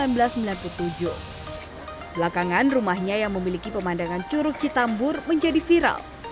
belakangan rumahnya yang memiliki pemandangan curug citambur menjadi viral